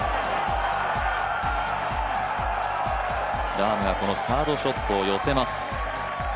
ラームがサードショットを寄せます。